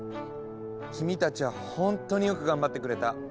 君たちはほんとによく頑張ってくれた。